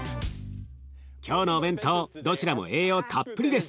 今日のお弁当どちらも栄養たっぷりです。